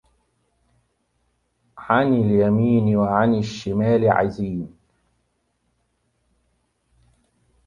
عَنِ اليَمينِ وَعَنِ الشِّمالِ عِزينَ